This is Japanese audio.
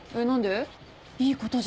いいことじゃん。